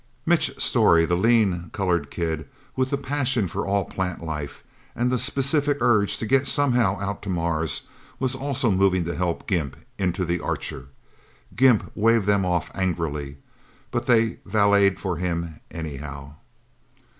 Mitch Storey, the lean colored kid with the passion for all plant life, and the specific urge to get somehow out to Mars, was also moving to help Gimp into the Archer. Gimp waved them off angrily, but they valeted for him, anyhow.